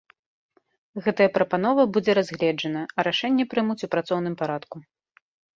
Гэтая прапанова будзе разгледжана, а рашэнне прымуць у працоўным парадку.